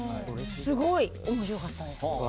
すごい面白かったです。